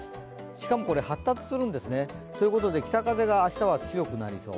しかもこれ、発達するんですね。ということで北風が明日は強くなりそう。